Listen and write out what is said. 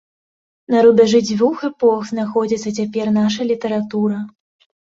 На рубяжы дзвюх эпох знаходзіцца цяпер наша літаратура.